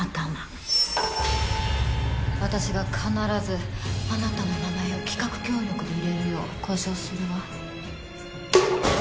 私が必ずあなたの名前を企画協力で入れるよう交渉するわ。